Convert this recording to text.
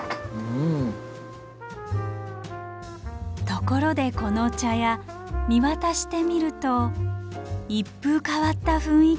ところでこの茶屋見渡してみると一風変わった雰囲気。